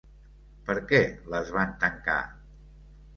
Per què les van tancar?